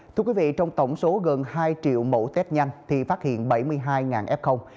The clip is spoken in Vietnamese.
thưa quý vị trong tổng số gần hai triệu mẫu test nhanh thì phát hiện bảy mươi hai f